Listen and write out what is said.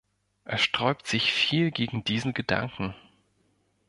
Es sträubt sich viel gegen diesen Gedanken.